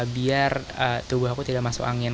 biar tubuh aku tidak masuk angin